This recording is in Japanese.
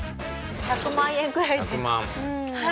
１００万円くらいで。